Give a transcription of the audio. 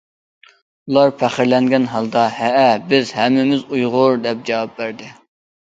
ئۇلار پەخىرلەنگەن ھالدا« ھەئە، بىز ھەممىمىز يۇغۇر» دەپ جاۋاب بەردى.